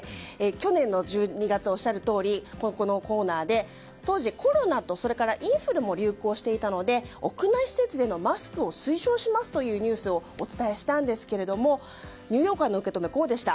去年の１２月、おっしゃるとおりこのコーナーで当時コロナとインフルも流行していたので屋内施設でのマスクを推奨しますというニュースをお伝えしたんですけれどもニューヨーカーの受け止めはこうでした。